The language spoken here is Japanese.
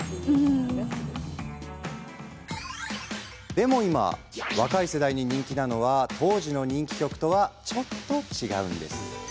でも今、若い世代に人気なのは当時の人気曲とはちょっと違うんです。